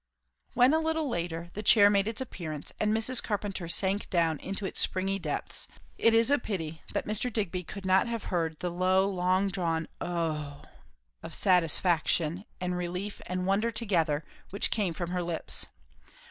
When a little later the chair made its appearance, and Mrs. Carpenter sank down into its springy depths, it is a pity that Mr. Digby could not have heard the low long drawn 'Oh! ' of satisfaction and relief and wonder together, which came from her lips.